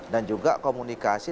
dan juga komunikasi